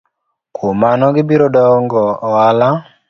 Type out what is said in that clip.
Kuom mano gibiro dongo ohala.